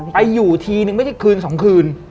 ไปอยู่ทีนึงไม่ใช่คืน๒คืน